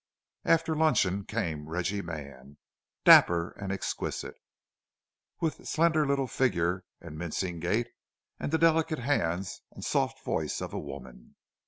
After luncheon came Reggie Mann, dapper and exquisite, with slender little figure and mincing gait, and the delicate hands and soft voice of a woman.